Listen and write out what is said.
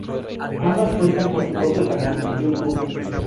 Ambas cuentan con su propio canal en YouTube.